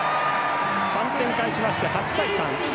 ３点返しまして、８対３。